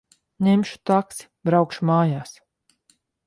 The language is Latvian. Ņemšu taksi. Braukšu mājās.